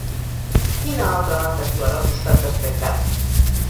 Quina altra banda actuarà al costat d'Aspencat?